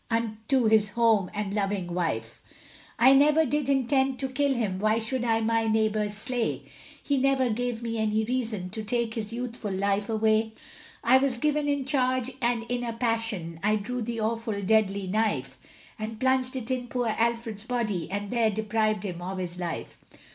Unto his home and loving wife. I never did intend to kill him, Why should I my neighbour slay, He never gave me any reason, To take his youthful life away? I was given in charge, and in a passion, I drew the awful, deadly knife, And plunged it in poor Alfred's body, And there deprived him of his life.